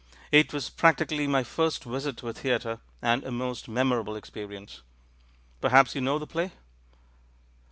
It was practically my first visit to a theatre, and a most memorable experience. Perhaps you know the play?"